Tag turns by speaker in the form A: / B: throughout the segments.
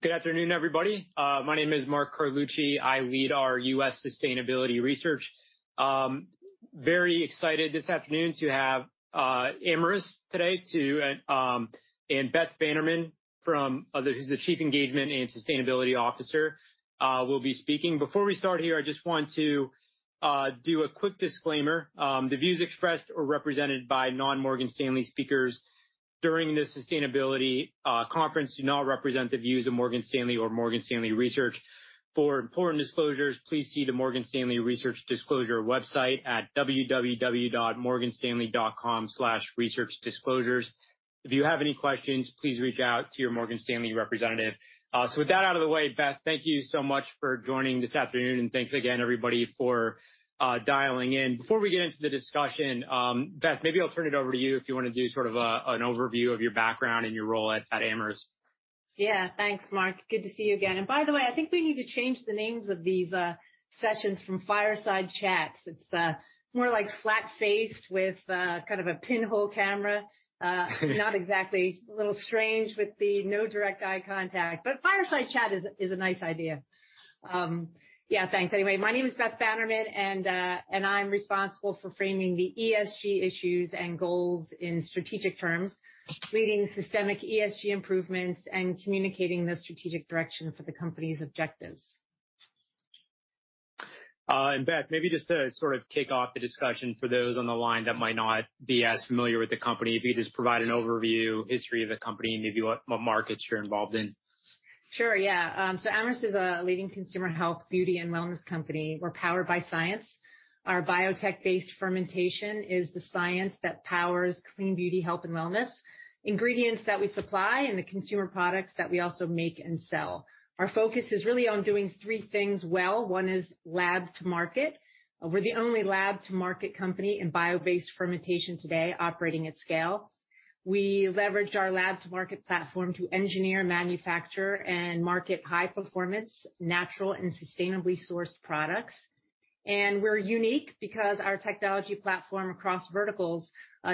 A: Good afternoon, everybody. My name is Mark Carlucci. I lead our U.S. sustainability research. Very excited this afternoon to have Amyris today and Beth Bannerman, who's the Chief Engagement and Sustainability Officer, will be speaking. Before we start here, I just want to do a quick disclaimer. The views expressed or represented by non-Morgan Stanley speakers during this sustainability conference do not represent the views of Morgan Stanley or Morgan Stanley Research. For important disclosures, please see the Morgan Stanley Research Disclosure website at www.morganstanley.com/researchdisclosures. If you have any questions, please reach out to your Morgan Stanley representative. So, with that out of the way, Beth, thank you so much for joining this afternoon, and thanks again, everybody, for dialling in. Before we get into the discussion, Beth, maybe I'll turn it over to you if you want to do sort of an overview of your background and your role at Amyris.
B: Yeah, thanks, Mark. Good to see you again. And by the way, I think we need to change the names of these sessions from Fireside Chats. It's more like flat-faced with kind of a pinhole camera. Not exactly a little strange with the no direct eye contact, but Fireside Chat is a nice idea. Yeah, thanks. Anyway, my name is Beth Bannerman, and I'm responsible for framing the ESG issues and goals in strategic terms, leading systemic ESG improvements, and communicating the strategic direction for the company's objectives.
A: Beth, maybe just to sort of kick off the discussion for those on the line that might not be as familiar with the company, if you could just provide an overview, history of the company, maybe what markets you're involved in.
B: Sure, yeah, so Amyris is a leading consumer health, beauty, and wellness company. We're powered by science. Our biotech-based fermentation is the science that powers clean beauty, health, and wellness, ingredients that we supply, and the consumer products that we also make and sell. Our focus is really on doing three things well. One is Lab-to-Market™. We're the only Lab-to-Market™ company in bio-based fermentation today operating at scale. We leverage our Lab-to-Market™ platform to engineer, manufacture, and market high-performance, natural, and sustainably sourced products, and we're unique because our technology platform across verticals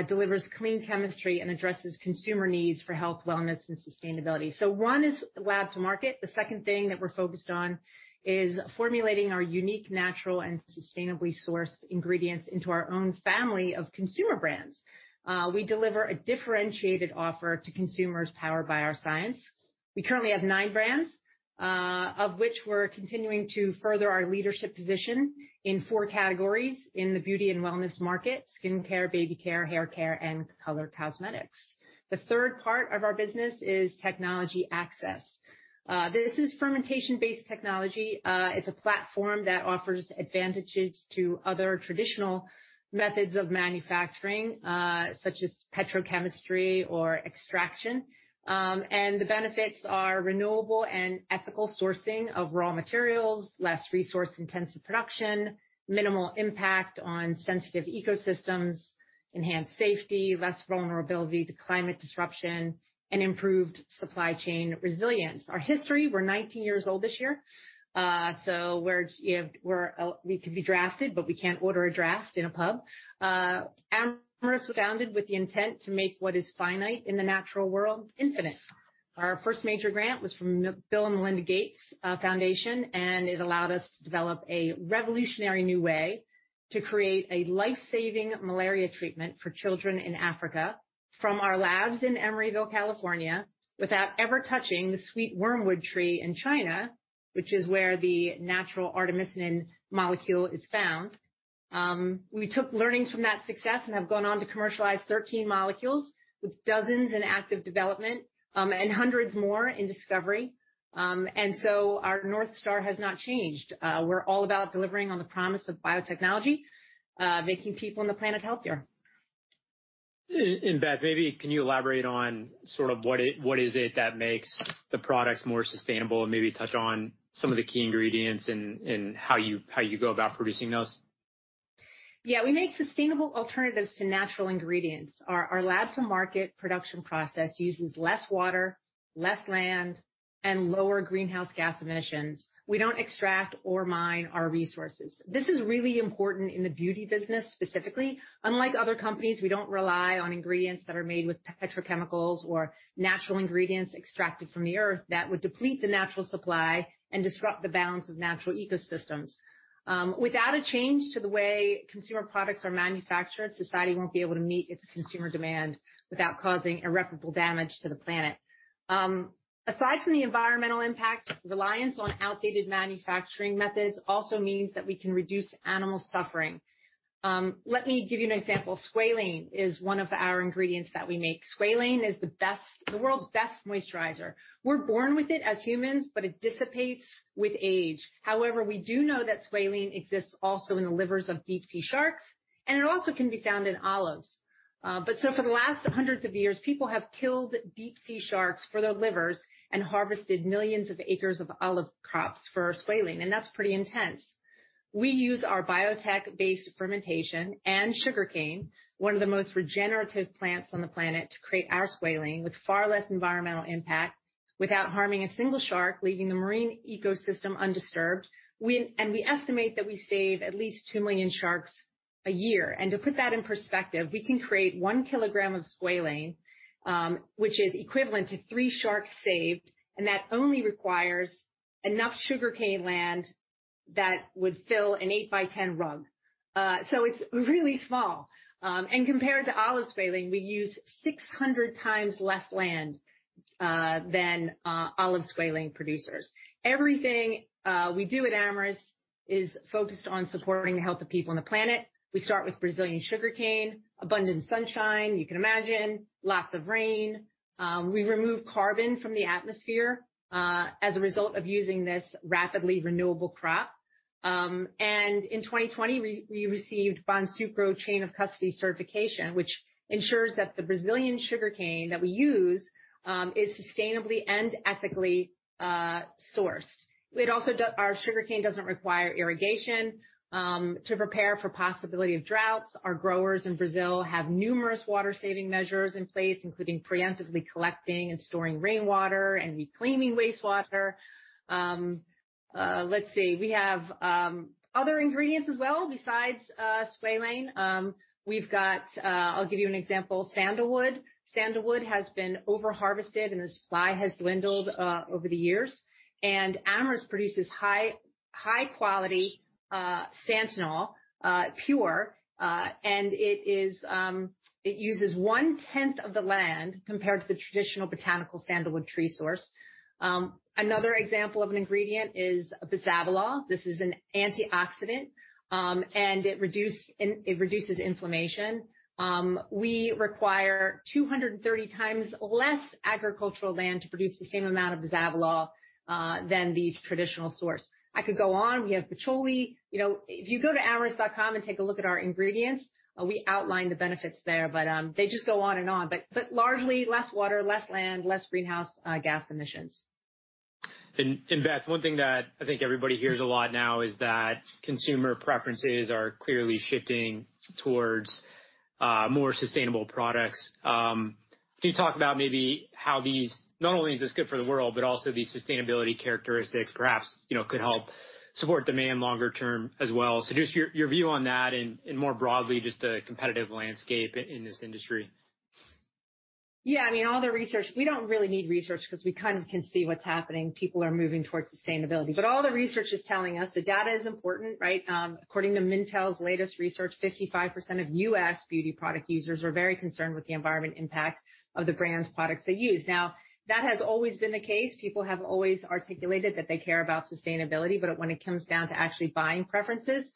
B: delivers clean chemistry and addresses consumer needs for health, wellness, and sustainability, so one is Lab-to-Market™. The second thing that we're focused on is formulating our unique natural and sustainably sourced ingredients into our own family of consumer brands. We deliver a differentiated offer to consumers powered by our science. We currently have nine brands, of which we're continuing to further our leadership position in four categories in the beauty and wellness market: skincare, baby care, hair care, and color cosmetics. The third part of our business is technology access. This is fermentation-based technology. It's a platform that offers advantages to other traditional methods of manufacturing, such as petrochemistry or extraction, and the benefits are renewable and ethical sourcing of raw materials, less resource-intensive production, minimal impact on sensitive ecosystems, enhanced safety, less vulnerability to climate disruption, and improved supply chain resilience. Our history. We're 19 years old this year, so we can be drafted, but we can't order a draft in a pub. Amyris was founded with the intent to make what is finite in the natural world infinite. Our first major grant was from the Bill and Melinda Gates Foundation, and it allowed us to develop a revolutionary new way to create a life-saving malaria treatment for children in Africa from our labs in Emeryville, California, without ever touching the sweet wormwood tree in China, which is where the natural artemisinin molecule is found. We took learnings from that success and have gone on to commercialize 13 molecules with dozens in active development and hundreds more in discovery, and so, our North Star has not changed. We're all about delivering on the promise of biotechnology, making people and the planet healthier.
A: Beth, maybe can you elaborate on sort of what is it that makes the products more sustainable and maybe touch on some of the key ingredients and how you go about producing those?
B: Yeah, we make sustainable alternatives to natural ingredients. Our Lab-to-Market™ production process uses less water, less land, and lower greenhouse gas emissions. We don't extract or mine our resources. This is really important in the beauty business specifically. Unlike other companies, we don't rely on ingredients that are made with petrochemicals or natural ingredients extracted from the earth that would deplete the natural supply and disrupt the balance of natural ecosystems. Without a change to the way consumer products are manufactured, society won't be able to meet its consumer demand without causing irreparable damage to the planet. Aside from the environmental impact, reliance on outdated manufacturing methods also means that we can reduce animal suffering. Let me give you an example. Squalene is one of our ingredients that we make. Squalene is the world's best moisturizer. We're born with it as humans, but it dissipates with age. However, we do know that squalene exists also in the livers of deep-sea sharks, and it also can be found in olives. But so, for the last hundreds of years, people have killed deep-sea sharks for their livers and harvested millions of acres of olive crops for squalene, and that's pretty intense. We use our biotech-based fermentation and sugarcane, one of the most regenerative plants on the planet, to create our squalene with far less environmental impact without harming a single shark, leaving the marine ecosystem undisturbed. And we estimate that we save at least two million sharks a year. And to put that in perspective, we can create one kilogram of squalene, which is equivalent to three sharks saved, and that only requires enough sugarcane land that would fill an 8 x 10 rug. So, it's really small. Compared to olive squalene, we use 600 times less land than olive squalene producers. Everything we do at Amyris is focused on supporting the health of people and the planet. We start with Brazilian sugarcane, abundant sunshine, you can imagine, lots of rain. We remove carbon from the atmosphere as a result of using this rapidly renewable crop. In 2020, we received Bonsucro Chain of Custody certification, which ensures that the Brazilian sugarcane that we use is sustainably and ethically sourced. Our sugarcane doesn't require irrigation to prepare for the possibility of droughts. Our growers in Brazil have numerous water-saving measures in place, including pre-emptively collecting and storing rainwater and reclaiming wastewater. Let's see. We have other ingredients as well besides squalene. I'll give you an example: sandalwood. Sandalwood has been over-harvested, and the supply has dwindled over the years. Amyris produces high-quality santalol, pure, and it uses one-tenth of the land compared to the traditional botanical sandalwood tree source. Another example of an ingredient is bisabolol. This is an antioxidant, and it reduces inflammation. We require 230 times less agricultural land to produce the same amount of bisabolol than the traditional source. I could go on. We have patchouli. If you go to Amyris.com and take a look at our ingredients, we outline the benefits there, but they just go on and on. But largely, less water, less land, less greenhouse gas emissions.
A: Beth, one thing that I think everybody hears a lot now is that consumer preferences are clearly shifting towards more sustainable products. Can you talk about maybe how these, not only is this good for the world, but also these sustainability characteristics perhaps could help support demand longer term as well, so just your view on that and more broadly, just the competitive landscape in this industry.
B: Yeah, I mean, all the research, we don't really need research because we kind of can see what's happening. People are moving towards sustainability. But all the research is telling us, the data is important, right? According to Mintel's latest research, 55% of U.S. beauty product users are very concerned with the environmental impact of the brand's products they use. Now, that has always been the case. People have always articulated that they care about sustainability, but when it comes down to actually buying preferences,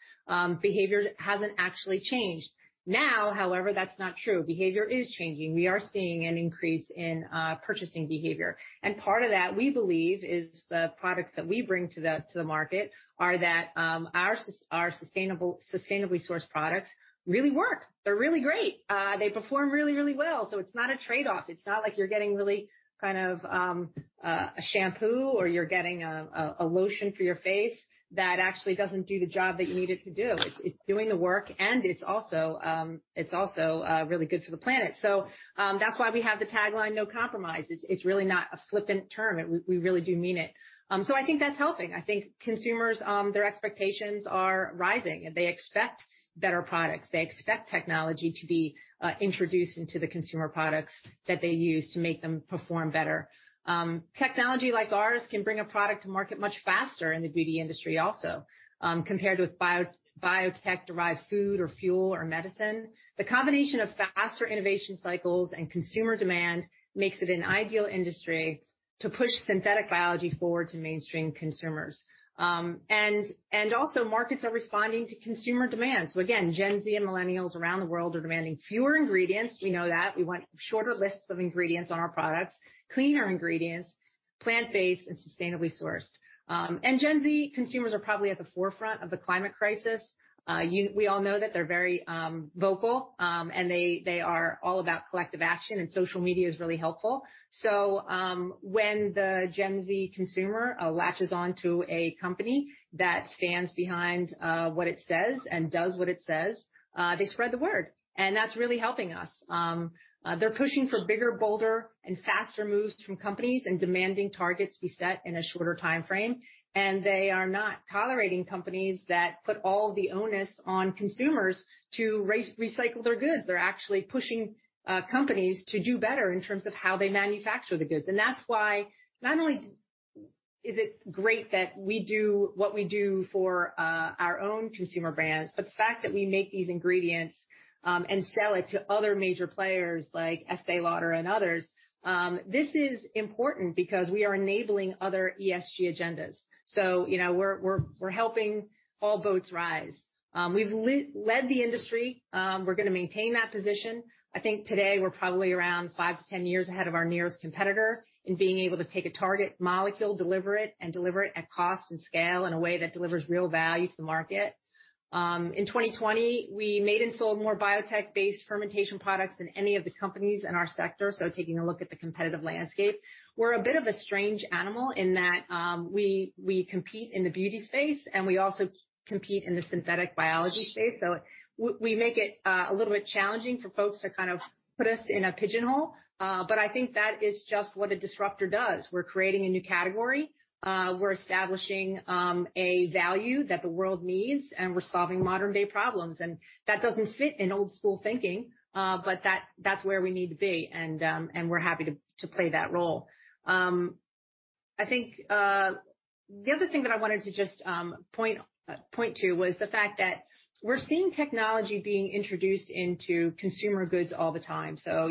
B: behaviour hasn't actually changed. Now, however, that's not true. Behaviour is changing. We are seeing an increase in purchasing behaviour. And part of that, we believe, is the products that we bring to the market are that our sustainably sourced products really work. They're really great. They perform really, really well. So it's not a trade-off. It's not like you're getting really kind of a shampoo or you're getting a lotion for your face that actually doesn't do the job that you need it to do. It's doing the work, and it's also really good for the planet. So that's why we have the tagline "No Compromise." It's really not a flippant term. We really do mean it. So I think that's helping. I think consumers, their expectations are rising, and they expect better products. They expect technology to be introduced into the consumer products that they use to make them perform better. Technology like ours can bring a product to market much faster in the beauty industry also, compared with biotech-derived food or fuel or medicine. The combination of faster innovation cycles and consumer demand makes it an ideal industry to push synthetic biology forward to mainstream consumers. Markets are responding to consumer demand. So again, Gen Z and Millennials around the world are demanding fewer ingredients. We know that. We want shorter lists of ingredients on our products, cleaner ingredients, plant-based and sustainably sourced. Gen Z consumers are probably at the forefront of the climate crisis. We all know that they're very vocal, and they are all about collective action, and social media is really helpful. So when the Gen Z consumer latches onto a company that stands behind what it says and does what it says, they spread the word. And that's really helping us. They're pushing for bigger, bolder, and faster moves from companies and demanding targets be set in a shorter time frame. They are not tolerating companies that put all the onus on consumers to recycle their goods. They're actually pushing companies to do better in terms of how they manufacture the goods, and that's why not only is it great that we do what we do for our own consumer brands, but the fact that we make these ingredients and sell it to other major players like Estée Lauder and others; this is important because we are enabling other ESG agendas, so we're helping all boats rise. We've led the industry. We're going to maintain that position. I think today we're probably around five to 10 years ahead of our nearest competitor in being able to take a target molecule, deliver it, and deliver it at cost and scale in a way that delivers real value to the market. In 2020, we made and sold more biotech-based fermentation products than any of the companies in our sector, so taking a look at the competitive landscape. We're a bit of a strange animal in that we compete in the beauty space, and we also compete in the synthetic biology space, so we make it a little bit challenging for folks to kind of put us in a pigeonhole, but I think that is just what a disruptor does. We're creating a new category. We're establishing a value that the world needs, and we're solving modern-day problems and that doesn't fit in old-school thinking, but that's where we need to be, and we're happy to play that role. I think the other thing that I wanted to just point to was the fact that we're seeing technology being introduced into consumer goods all the time, so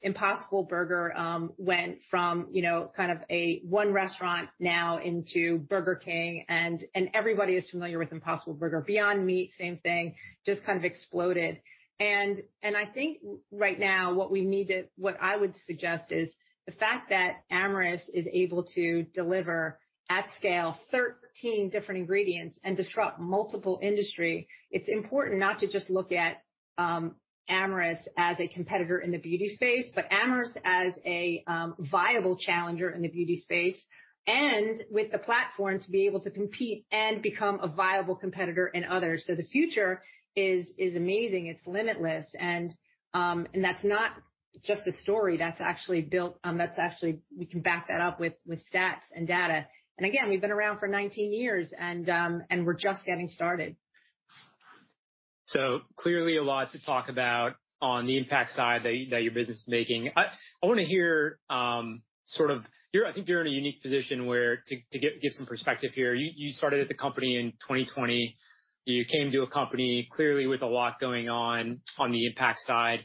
B: Impossible Burger went from kind of a one restaurant now into Burger King, and everybody is familiar with Impossible Burger. Beyond Meat, same thing, just kind of exploded. I think right now what we need to, what I would suggest is the fact that Amyris is able to deliver at scale 13 different ingredients and disrupt multiple industries. It's important not to just look at Amyris as a competitor in the beauty space, but Amyris as a viable challenger in the beauty space and with the platform to be able to compete and become a viable competitor in others. The future is amazing. It's limitless. That's not just a story. That's actually built, that's actually, we can back that up with stats and data. Again, we've been around for 19 years, and we're just getting started.
A: Clearly a lot to talk about on the impact side that your business is making. I want to hear sort of, I think you're in a unique position where to get some perspective here. You started at the company in 2020. You came to a company clearly with a lot going on on the impact side.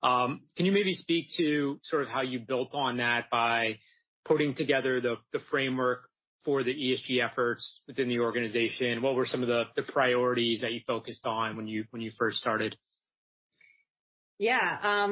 A: Can you maybe speak to sort of how you built on that by putting together the framework for the ESG efforts within the organization? What were some of the priorities that you focused on when you first started?
B: Yeah.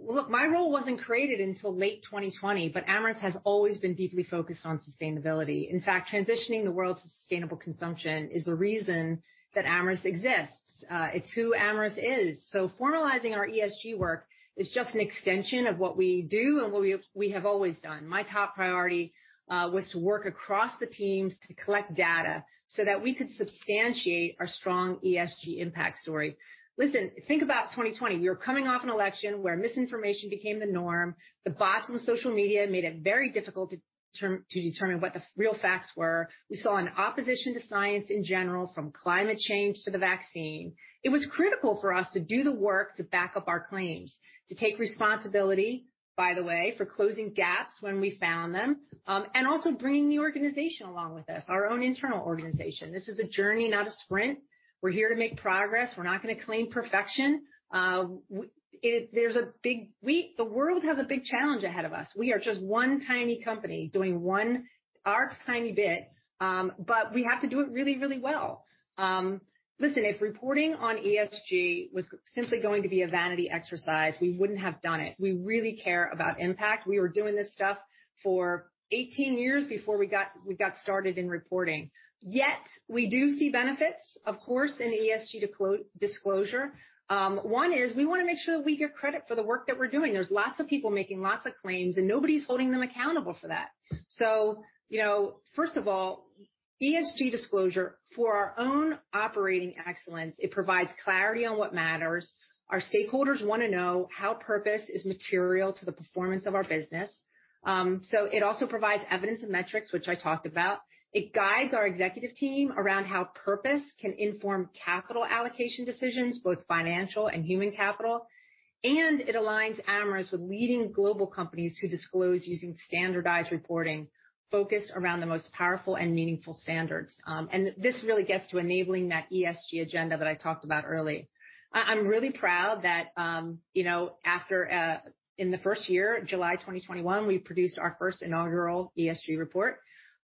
B: Look, my role wasn't created until late 2020, but Amyris has always been deeply focused on sustainability. In fact, transitioning the world to sustainable consumption is the reason that Amyris exists. It's who Amyris is. So formalizing our ESG work is just an extension of what we do and what we have always done. My top priority was to work across the teams to collect data so that we could substantiate our strong ESG impact story. Listen, think about 2020. We were coming off an election where misinformation became the norm. The bots on social media made it very difficult to determine what the real facts were. We saw an opposition to science in general, from climate change to the vaccine. It was critical for us to do the work to back up our claims, to take responsibility, by the way, for closing gaps when we found them, and also bringing the organization along with us, our own internal organization. This is a journey, not a sprint. We're here to make progress. We're not going to claim perfection. There's a big, the world has a big challenge ahead of us. We are just one tiny company doing our tiny bit, but we have to do it really, really well. Listen, if reporting on ESG was simply going to be a vanity exercise, we wouldn't have done it. We really care about impact. We were doing this stuff for 18 years before we got started in reporting. Yet we do see benefits, of course, in ESG disclosure. One is we want to make sure that we get credit for the work that we're doing. There's lots of people making lots of claims, and nobody's holding them accountable for that, so first of all, ESG disclosure for our own operating excellence. It provides clarity on what matters. Our stakeholders want to know how purpose is material to the performance of our business, so it also provides evidence and metrics, which I talked about. It guides our executive team around how purpose can inform capital allocation decisions, both financial and human capital, and it aligns Amyris with leading global companies who disclose using standardized reporting focused around the most powerful and meaningful standards, and this really gets to enabling that ESG agenda that I talked about early. I'm really proud that in the first year, July 2021, we produced our first inaugural ESG report.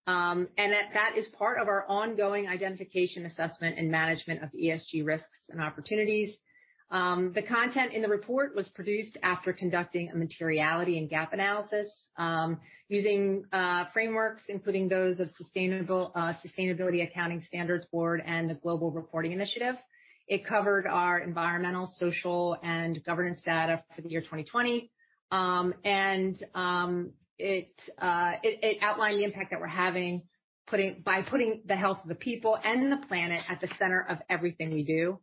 B: That is part of our ongoing identification, assessment, and management of ESG risks and opportunities. The content in the report was produced after conducting a materiality and gap analysis using frameworks, including those of Sustainability Accounting Standards Board and the Global Reporting Initiative. It covered our environmental, social, and governance data for the year 2020. It outlined the impact that we're having by putting the health of the people and the planet at the centre of everything we do.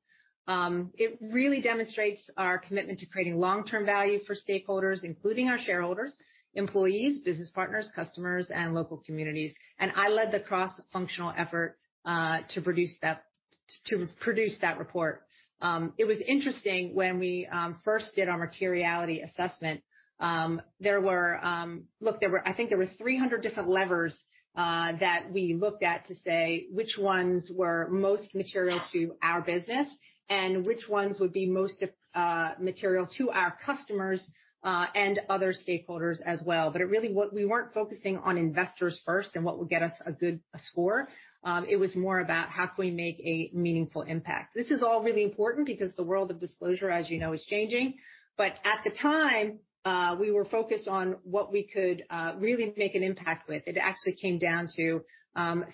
B: It really demonstrates our commitment to creating long-term value for stakeholders, including our shareholders, employees, business partners, customers, and local communities. I led the cross-functional effort to produce that report. It was interesting when we first did our materiality assessment. Look, I think there were 300 different levers that we looked at to say which ones were most material to our business and which ones would be most material to our customers and other stakeholders as well. But really, we weren't focusing on investors first and what would get us a good score. It was more about how can we make a meaningful impact? This is all really important because the world of disclosure, as you know, is changing. But at the time, we were focused on what we could really make an impact with. It actually came down to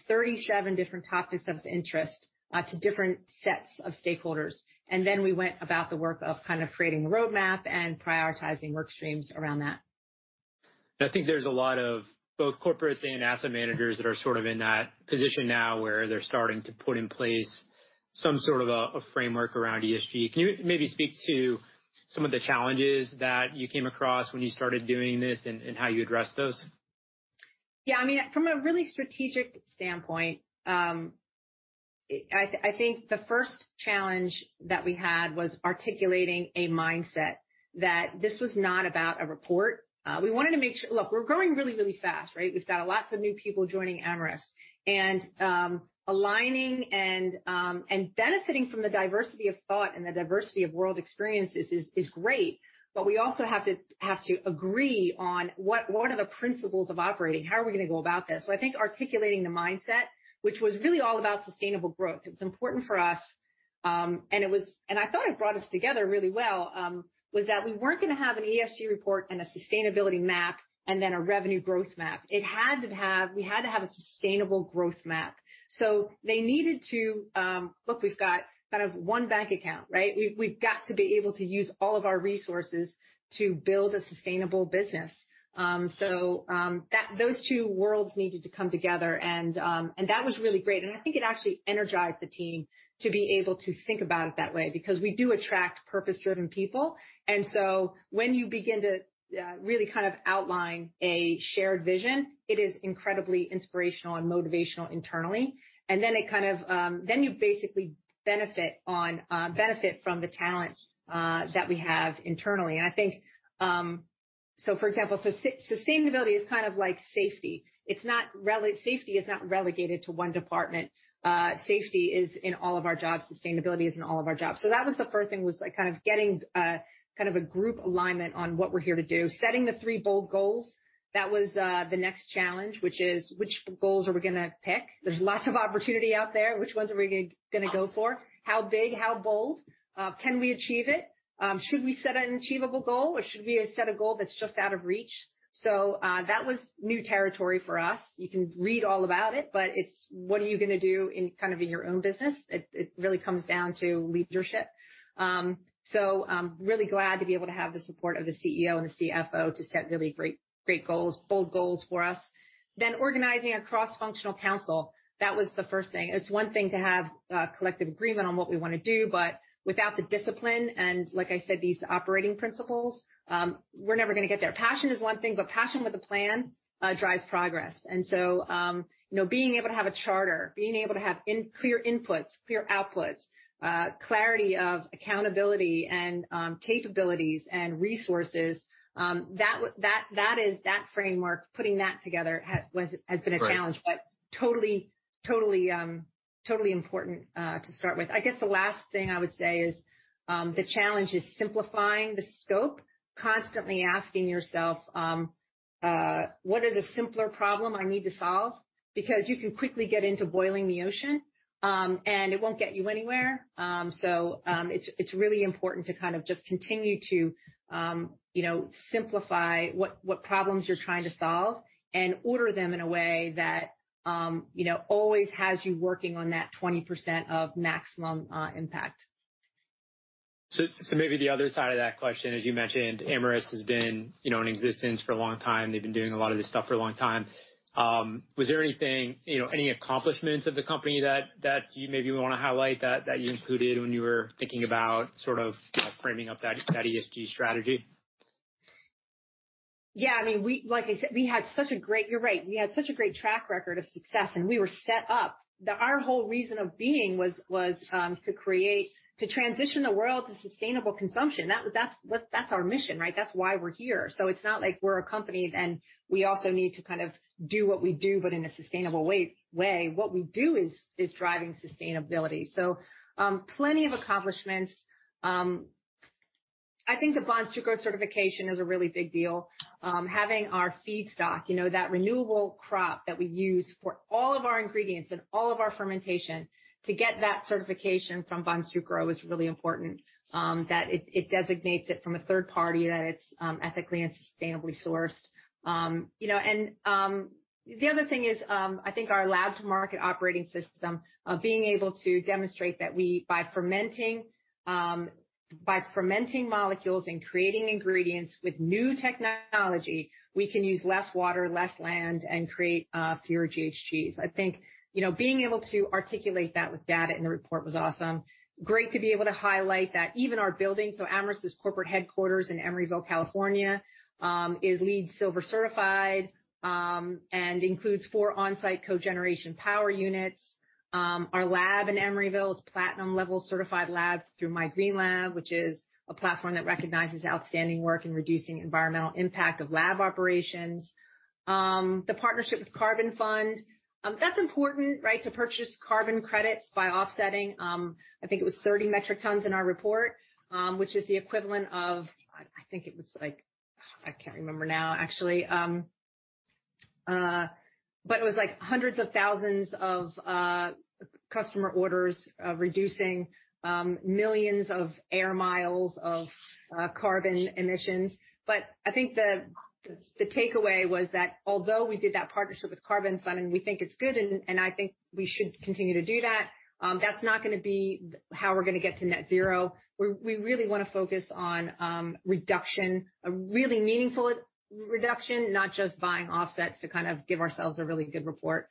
B: 37 different topics of interest to different sets of stakeholders. And then we went about the work of kind of creating a roadmap and prioritizing work streams around that.
A: I think there's a lot of both corporates and asset managers that are sort of in that position now where they're starting to put in place some sort of a framework around ESG. Can you maybe speak to some of the challenges that you came across when you started doing this and how you addressed those?
B: Yeah. I mean, from a really strategic standpoint, I think the first challenge that we had was articulating a mindset that this was not about a report. We wanted to make sure, look, we're growing really, really fast, right? We've got lots of new people joining Amyris. And aligning and benefiting from the diversity of thought and the diversity of world experiences is great. But we also have to agree on what are the principles of operating? How are we going to go about this? So I think articulating the mindset, which was really all about sustainable growth, it was important for us. And I thought it brought us together really well was that we weren't going to have an ESG report and a sustainability map and then a revenue growth map. It had to have, we had to have a sustainable growth map. So they needed to, look, we've got kind of one bank account, right? We've got to be able to use all of our resources to build a sustainable business. So those two worlds needed to come together. And that was really great. And I think it actually energized the team to be able to think about it that way because we do attract purpose-driven people. And so when you begin to really kind of outline a shared vision, it is incredibly inspirational and motivational internally. And then it kind of, you basically benefit from the talent that we have internally. And I think, for example, sustainability is kind of like safety. Safety is not relegated to one department. Safety is in all of our jobs. Sustainability is in all of our jobs. So that was the first thing, kind of getting kind of a group alignment on what we're here to do. Setting the three bold goals, that was the next challenge, which is which goals are we going to pick? There's lots of opportunity out there. Which ones are we going to go for? How big, how bold? Can we achieve it? Should we set an achievable goal or should we set a goal that's just out of reach? So that was new territory for us. You can read all about it, but it's what are you going to do kind of in your own business? It really comes down to leadership. So really glad to be able to have the support of the CEO and the CFO to set really great goals, bold goals for us. Then organizing a cross-functional council, that was the first thing. It's one thing to have a collective agreement on what we want to do, but without the discipline and like I said, these operating principles, we're never going to get there. Passion is one thing, but passion with a plan drives progress, and so being able to have a charter, being able to have clear inputs, clear outputs, clarity of accountability and capabilities and resources, that is that framework, putting that together has been a challenge, but totally, totally important to start with. I guess the last thing I would say is the challenge is simplifying the scope, constantly asking yourself, what is a simpler problem I need to solve? Because you can quickly get into boiling the ocean, and it won't get you anywhere. So it's really important to kind of just continue to simplify what problems you're trying to solve and order them in a way that always has you working on that 20% of maximum impact.
A: Maybe the other side of that question, as you mentioned, Amyris has been in existence for a long time. They've been doing a lot of this stuff for a long time. Was there anything, any accomplishments of the company that you maybe want to highlight that you included when you were thinking about sort of framing up that ESG strategy?
B: Yeah. I mean, like I said, we had such a great, you're right, we had such a great track record of success, and we were set up. Our whole reason of being was to create, to transition the world to sustainable consumption. That's our mission, right? That's why we're here. So it's not like we're a company and we also need to kind of do what we do, but in a sustainable way. What we do is driving sustainability. So plenty of accomplishments. I think the Bonsucro certification is a really big deal. Having our feedstock, that renewable crop that we use for all of our ingredients and all of our fermentation to get that certification from Bonsucro is really important that it designates it from a third party, that it's ethically and sustainably sourced. And the other thing is I think our Lab-to-Market™ operating system, being able to demonstrate that by fermenting molecules and creating ingredients with new technology, we can use less water, less land, and create fewer GHGs. I think being able to articulate that with data in the report was awesome. Great to be able to highlight that even our building. So Amyris's corporate headquarters in Emeryville, California, is LEED Silver certified and includes four on-site cogeneration power units. Our lab in Emeryville is Platinum Level certified lab through My Green Lab, which is a platform that recognizes outstanding work in reducing environmental impact of lab operations. The partnership with Carbonfund, that's important, right, to purchase carbon credits by offsetting. I think it was 30 metric tons in our report, which is the equivalent of, I think it was like, I can't remember now actually, but it was like hundreds of thousands of customer orders reducing millions of air miles of carbon emissions. But I think the takeaway was that although we did that partnership with Carbonfund and we think it's good, and I think we should continue to do that, that's not going to be how we're going to get to net zero. We really want to focus on reduction, a really meaningful reduction, not just buying offsets to kind of give ourselves a really good report.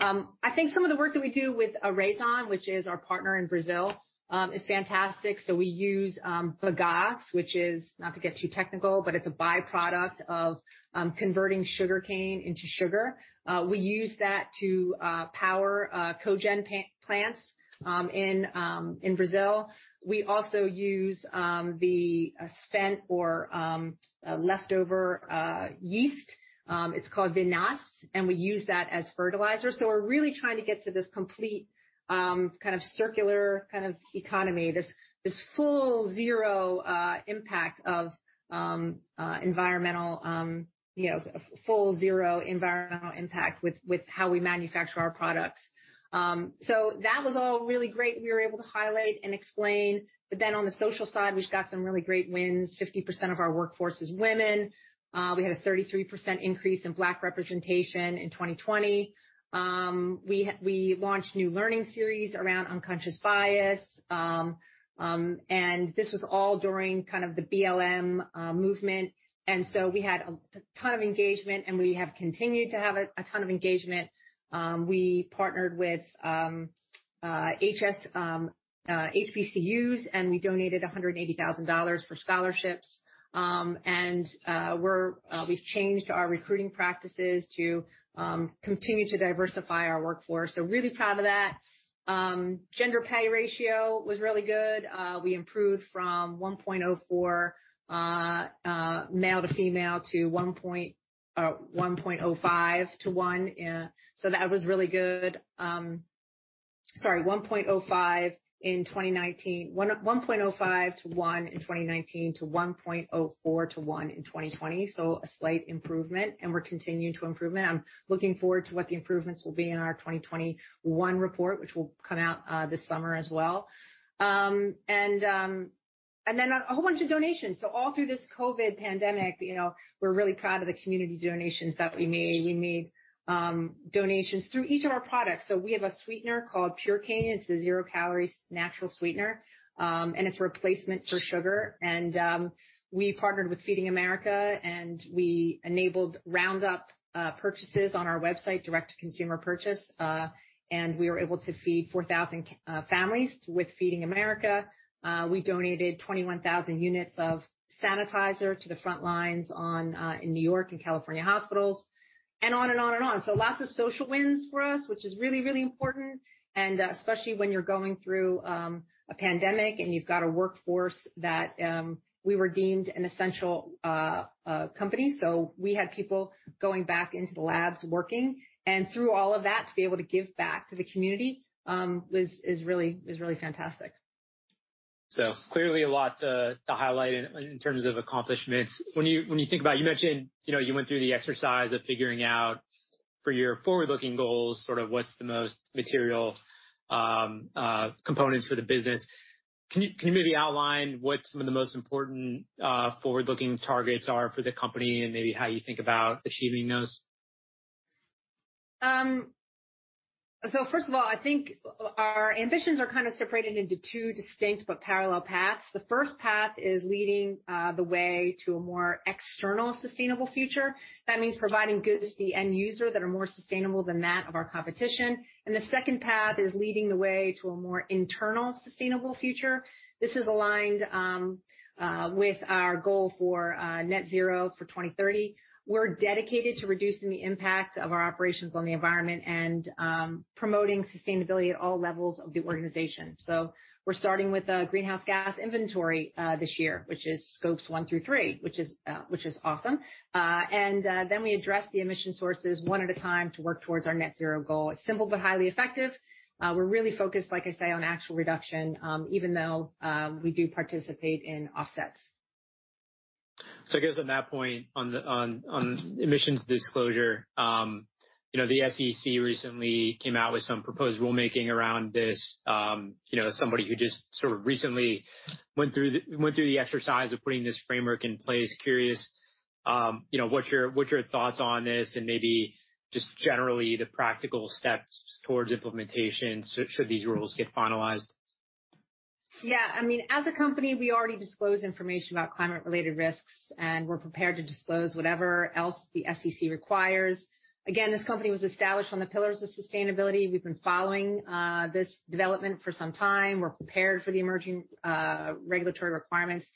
B: I think some of the work that we do with Raízen, which is our partner in Brazil, is fantastic. So we use bagasse, which is not to get too technical, but it's a byproduct of converting sugarcane into sugar. We use that to power cogen plants in Brazil. We also use the spent or leftover yeast. It's called vinasse, and we use that as fertilizer. So we're really trying to get to this complete kind of circular kind of economy, this full zero impact of environmental, full zero environmental impact with how we manufacture our products. So that was all really great. We were able to highlight and explain. But then on the social side, we've got some really great wins. 50% of our workforce is women. We had a 33% increase in Black representation in 2020. We launched new learning series around unconscious bias. And this was all during kind of the BLM movement. And so we had a ton of engagement, and we have continued to have a ton of engagement. We partnered with HBCUs, and we donated $180,000 for scholarships. And we've changed our recruiting practices to continue to diversify our workforce. So really proud of that. Gender pay ratio was really good. We improved from 1.04 male to female to 1.05 to 1. So that was really good. Sorry, 1.05 in 2019, 1.05 to 1 in 2019 to 1.04 to 1 in 2020. So a slight improvement, and we're continuing to improve. I'm looking forward to what the improvements will be in our 2021 report, which will come out this summer as well. And then a whole bunch of donations. So all through this COVID pandemic, we're really proud of the community donations that we made. We made donations through each of our products. So we have a sweetener called Purecane. It's a zero-calorie natural sweetener, and it's a replacement for sugar. And we partnered with Feeding America, and we enabled roundup purchases on our website, direct-to-consumer purchase. And we were able to feed 4,000 families with Feeding America. We donated 21,000 units of sanitizer to the front lines in New York and California hospitals, and on and on and on. So lots of social wins for us, which is really, really important. And especially when you're going through a pandemic and you've got a workforce that we were deemed an essential company. So we had people going back into the labs working. And through all of that, to be able to give back to the community is really fantastic.
A: So clearly a lot to highlight in terms of accomplishments. When you think about, you mentioned you went through the exercise of figuring out for your forward-looking goals, sort of what's the most material components for the business. Can you maybe outline what some of the most important forward-looking targets are for the company and maybe how you think about achieving those?
B: So first of all, I think our ambitions are kind of separated into two distinct but parallel paths. The first path is leading the way to a more external sustainable future. That means providing goods to the end user that are more sustainable than that of our competition. And the second path is leading the way to a more internal sustainable future. This is aligned with our goal for Net Zero for 2030. We're dedicated to reducing the impact of our operations on the environment and promoting sustainability at all levels of the organization. So we're starting with a greenhouse gas inventory this year, which is scopes one through three, which is awesome. And then we address the emission sources one at a time to work towards our net zero goal. It's simple but highly effective. We're really focused, like I say, on actual reduction, even though we do participate in offsets.
A: So I guess on that point on emissions disclosure, the SEC recently came out with some proposed rulemaking around this. Somebody who just sort of recently went through the exercise of putting this framework in place, curious what your thoughts on this and maybe just generally the practical steps towards implementation should these rules get finalized?
B: Yeah. I mean, as a company, we already disclose information about climate-related risks, and we're prepared to disclose whatever else the SEC requires. Again, this company was established on the pillars of sustainability. We've been following this development for some time. We're prepared for the emerging regulatory requirements.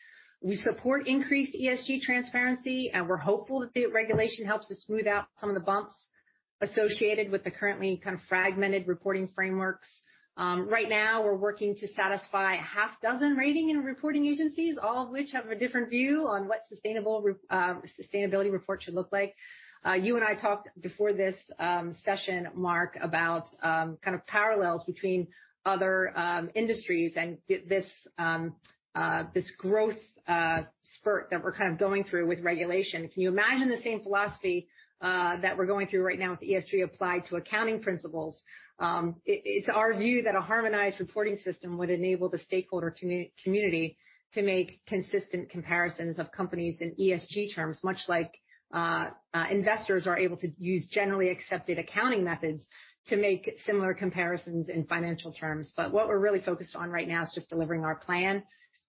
B: We support increased ESG transparency, and we're hopeful that the regulation helps us smooth out some of the bumps associated with the currently kind of fragmented reporting frameworks. Right now, we're working to satisfy a half dozen rating and reporting agencies, all of which have a different view on what sustainability reports should look like. You and I talked before this session, Mark, about kind of parallels between other industries and this growth spurt that we're kind of going through with regulation. Can you imagine the same philosophy that we're going through right now with ESG applied to accounting principles? It's our view that a harmonized reporting system would enable the stakeholder community to make consistent comparisons of companies in ESG terms, much like investors are able to use generally accepted accounting methods to make similar comparisons in financial terms, but what we're really focused on right now is just delivering our plan.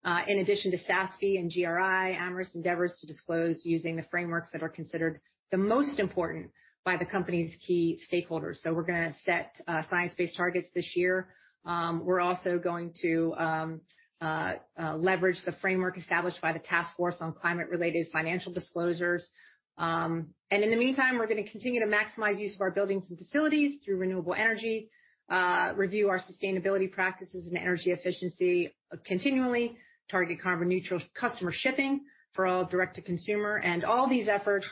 B: In addition to SASB and GRI, Amyris endeavors to disclose using the frameworks that are considered the most important by the company's key stakeholders, so we're going to set science-based targets this year. We're also going to leverage the framework established by the Task Force on Climate-related Financial Disclosures, and in the meantime, we're going to continue to maximize use of our buildings and facilities through renewable energy, review our sustainability practices and energy efficiency continually, target carbon-neutral customer shipping for all direct-to-consumer. All these efforts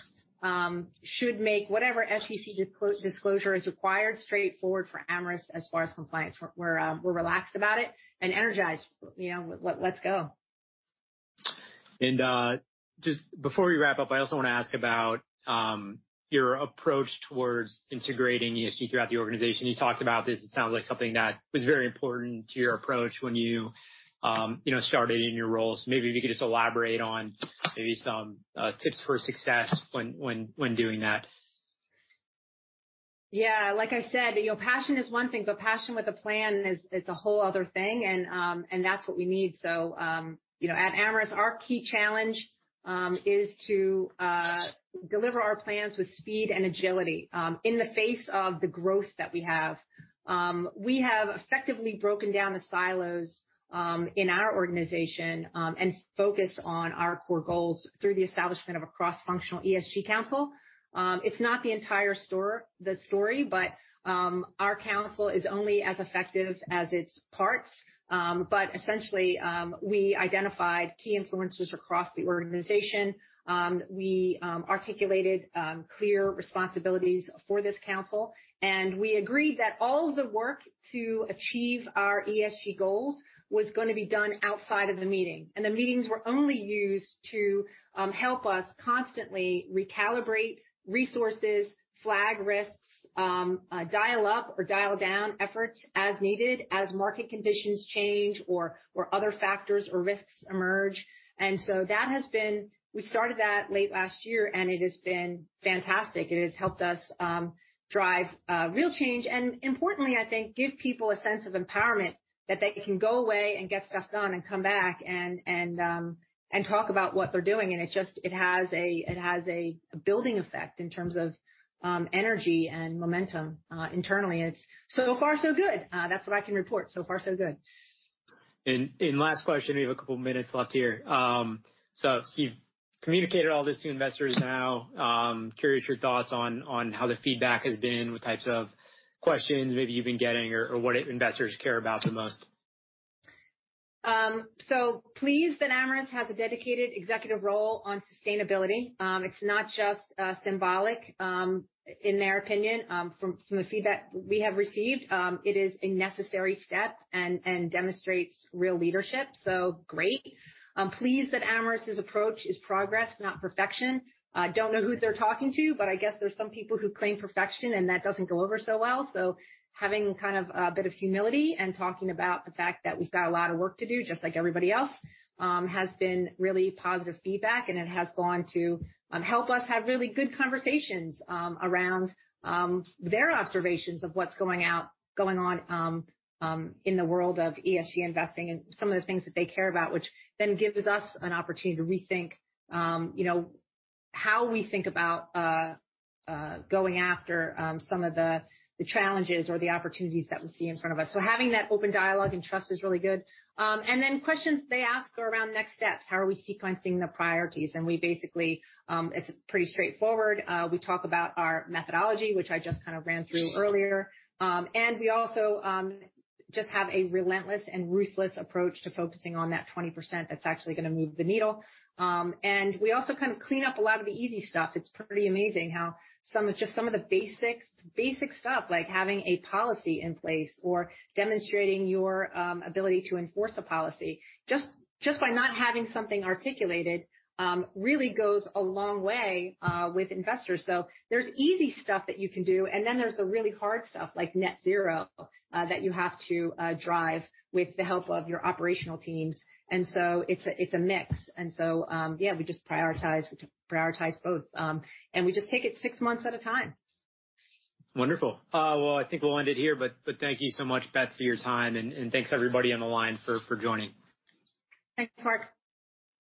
B: should make whatever SEC disclosure is required straightforward for Amyris as far as compliance. We're relaxed about it and energized. Let's go.
A: And just before we wrap up, I also want to ask about your approach towards integrating ESG throughout the organization. You talked about this. It sounds like something that was very important to your approach when you started in your role. So maybe if you could just elaborate on maybe some tips for success when doing that.
B: Yeah. Like I said, passion is one thing, but passion with a plan is a whole other thing, and that's what we need. So at Amyris, our key challenge is to deliver our plans with speed and agility in the face of the growth that we have. We have effectively broken down the silos in our organization and focused on our core goals through the establishment of a cross-functional ESG council. It's not the entire story, but our council is only as effective as its parts. But essentially, we identified key influencers across the organization. We articulated clear responsibilities for this council, and we agreed that all of the work to achieve our ESG goals was going to be done outside of the meeting. And the meetings were only used to help us constantly recalibrate resources, flag risks, dial up or dial down efforts as needed as market conditions change or other factors or risks emerge. And so that has been we started that late last year, and it has been fantastic. It has helped us drive real change and, importantly, I think, give people a sense of empowerment that they can go away and get stuff done and come back and talk about what they're doing. And it has a building effect in terms of energy and momentum internally. It's so far so good. That's what I can report. So far so good.
A: And last question. We have a couple of minutes left here. So, you've communicated all this to investors now. Curious, your thoughts on how the feedback has been, what types of questions maybe you've been getting, or what investors care about the most?
B: So pleased that Amyris has a dedicated executive role on sustainability. It's not just symbolic in their opinion. From the feedback we have received, it is a necessary step and demonstrates real leadership. So great. Pleased that Amyris's approach is progress, not perfection. I don't know who they're talking to, but I guess there's some people who claim perfection, and that doesn't go over so well. So having kind of a bit of humility and talking about the fact that we've got a lot of work to do, just like everybody else, has been really positive feedback, and it has gone to help us have really good conversations around their observations of what's going on in the world of ESG investing and some of the things that they care about, which then gives us an opportunity to rethink how we think about going after some of the challenges or the opportunities that we see in front of us. So having that open dialogue and trust is really good. And then questions they ask around next steps, how are we sequencing the priorities? And basically, it's pretty straightforward. We talk about our methodology, which I just kind of ran through earlier. And we also just have a relentless and ruthless approach to focusing on that 20% that's actually going to move the needle. And we also kind of clean up a lot of the easy stuff. It's pretty amazing how just some of the basic stuff, like having a policy in place or demonstrating your ability to enforce a policy, just by not having something articulated, really goes a long way with investors. So there's easy stuff that you can do, and then there's the really hard stuff like net zero that you have to drive with the help of your operational teams. And so it's a mix. And so, yeah, we just prioritize both, and we just take it six months at a time.
A: Wonderful. Well, I think we'll end it here, but thank you so much, Beth, for your time, and thanks everybody on the line for joining.
B: Thanks, Mark.